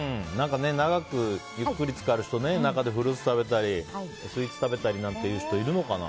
長くゆっくり浸かる人中でフルーツを食べたりスイーツを食べたりなんていう人いるのかな。